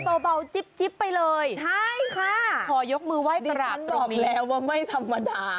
ขอยกมือไหว้ประหลาดตรงนี้ดิฉันบอกแล้วว่าไม่ธรรมดา